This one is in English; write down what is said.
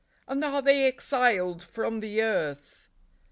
And are they exiled from the earth